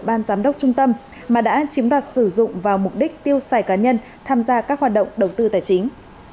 ban giám đốc trung tâm mà đã chiếm đoạt sử dụng vào mục đích tiêu xài cá nhân tham gia các hoạt động đầu tư tài chính